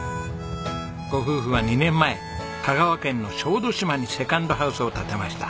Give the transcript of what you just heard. ご夫婦は２年前香川県の小豆島にセカンドハウスを建てました。